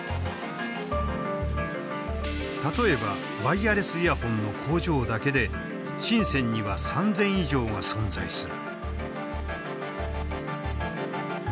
例えばワイヤレスイヤホンの工場だけで深には３，０００以上が存在する。